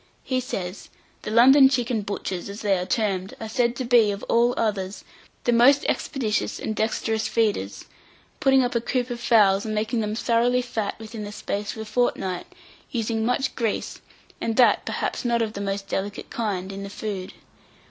He says: "The London chicken butchers, as they are termed, are said to be, of all others, the most expeditious and dexterous feeders, putting up a coop of fowls, and making them thoroughly fat within the space of a fortnight, using much grease, and that perhaps not of the most delicate kind, in the food.